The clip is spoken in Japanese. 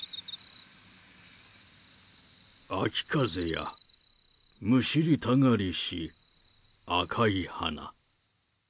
秋風やむしりたがりし赤い花。